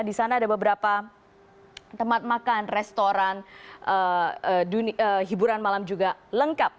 di sana ada beberapa tempat makan restoran hiburan malam juga lengkap